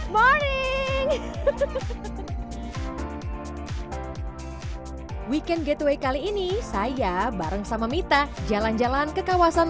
morning weekend gateway kali ini saya bareng sama mita jalan jalan ke kawasan